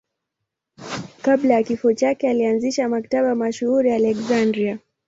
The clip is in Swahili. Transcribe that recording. Kabla ya kifo chake alianzisha Maktaba mashuhuri ya Aleksandria.